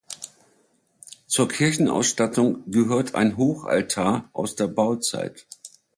Zur Kirchenausstattung gehört ein Hochaltar aus der Bauzeit.